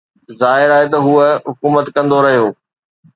ظاهر آهي ته هو حڪومت ڪندو رهيو